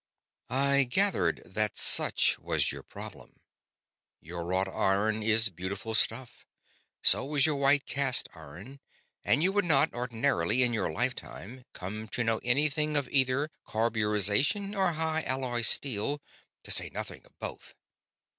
"I gathered that such was your problem. Your wrought iron is beautiful stuff; so is your white cast iron; and you would not, ordinarily, in your lifetime, come to know anything of either carburization or high alloy steel, to say nothing of both.